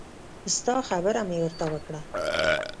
ستا خبره مې ورته وکړه.